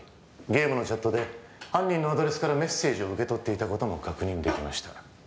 ゲームのチャットで犯人のアドレスからメッセージを受け取っていたことも確認できました